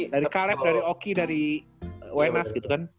dari kaleb dari oki dari wmas gitu kan